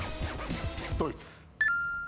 ドイツ。